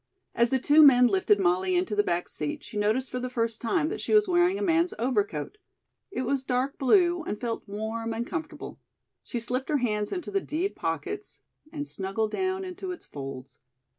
As the two men lifted Molly into the back seat, she noticed for the first time that she was wearing a man's overcoat. It was dark blue and felt warm and comfortable. She slipped her hands into the deep pockets and snuggled down into its folds.